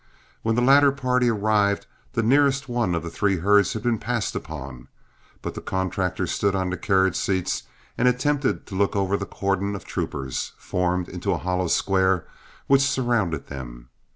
When the latter party arrived, the nearest one of the three herds had been passed upon, but the contractors stood on the carriage seats and attempted to look over the cordon of troopers, formed into a hollow square, which surrounded them.